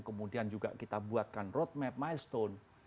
kemudian juga kita buatkan road map milestone